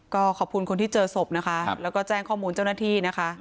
ก็ขอบคุณคนที่เจอศพนะคะแล้วก็แจ้งข้อมูลเจ้าหน้าที่นะคะ